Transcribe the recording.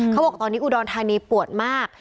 เขาบอกตอนนี้อุดรธานีปวดมาก